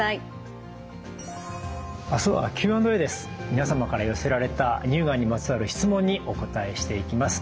皆様から寄せられた乳がんにまつわる質問にお答えしていきます。